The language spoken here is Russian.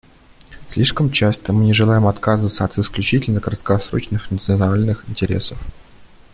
Слишком часто мы не желаем отказываться от исключительно краткосрочных национальных интересов.